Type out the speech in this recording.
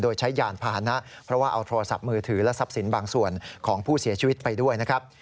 โดยใช้ยานพาหนะเพราะว่าเอาโทรศัพท์มือถือและทรัพย์สินบางส่วนของผู้เสียชีวิตไปด้วยนะครับ